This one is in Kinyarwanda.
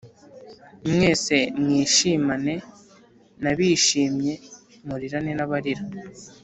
mwese mwishimane nabishimye murirane n’abarira